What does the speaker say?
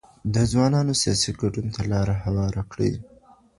د ځوانانو سياسي ګډون ته لاره هواره کړئ.